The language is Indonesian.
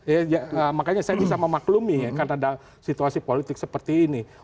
ya makanya saya bisa memaklumi ya karena ada situasi politik seperti ini